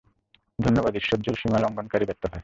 ধন্যবাদ ঈশ্বর যে সীমালঙ্ঘনকারী ব্যর্থ হয়!